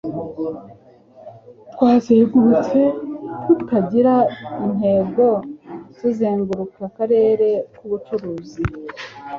Twazengurutse tutagira intego tuzenguruka akarere k'ubucuruzi